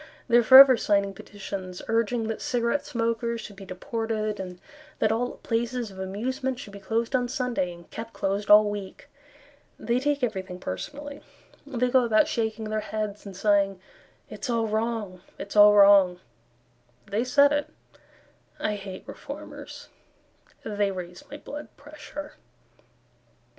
They are forever signing petitions Urging that cigarette smokers should be deported, And that all places of amusement should be closed on Sunday And kept closed all week. They take everything personally; They go about shaking their heads, And sighing, "It's all wrong, it's all wrong," They said it. I hate Reformers; They raise my blood pressure.